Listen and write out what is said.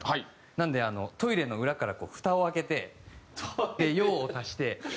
なのでトイレの裏からこうふたを開けてで用を足して。